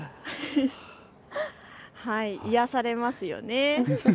癒やされますよね。